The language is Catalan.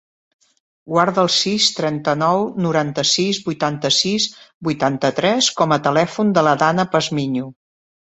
Guarda el sis, trenta-nou, noranta-sis, vuitanta-sis, vuitanta-tres com a telèfon de la Danna Pazmiño.